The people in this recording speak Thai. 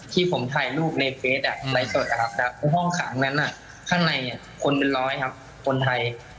ที่ผมถ่ายรูปในเฟสในสดห้องขังนั้นข้างในคนเป็นร้อยครับคนไทย